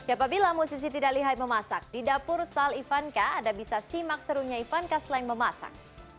apabila musisi tidak lihai memasak di dapur sal ivanka anda bisa simak serunya ivanka slang memasak